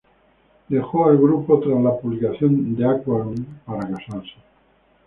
Dejó el grupo tras la publicación de Aqualung para casarse.